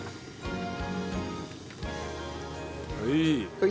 はい。